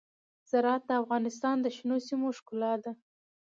زراعت د افغانستان د شنو سیمو ښکلا ده.